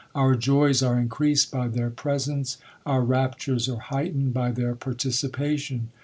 our joys are increaseid by their presence ; our raptures are heightened by their participation.